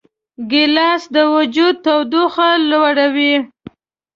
ګیلاس د وجود تودوخه لوړوي.